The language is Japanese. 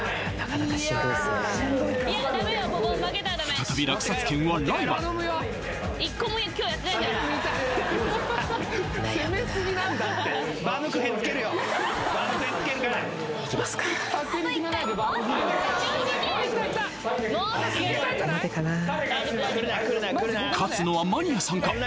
再び落札権はライバルいやあいきますか勝つのはマニアさんか？